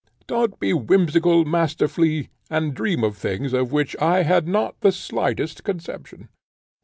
Don't be whimsical, Master Flea, and dream of things, of which I had not the slightest conception."